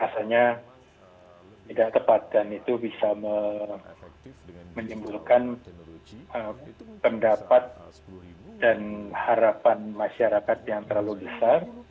saya berharap itu akan menjadi suplemen yang bisa menimbulkan pendapat dan harapan masyarakat yang terlalu besar